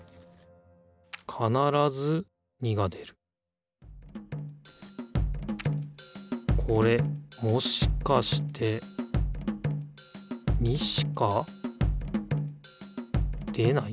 かならず２が出るこれもしかして２しか出ない？